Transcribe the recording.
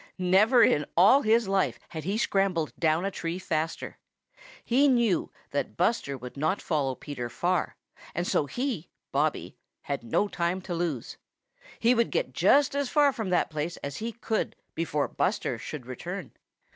Never in all his life had he scrambled down a tree faster. He knew that Buster would not follow Peter far, and so he, Bobby, had no time to lose. He would get just as far from that place as he could before Buster should return.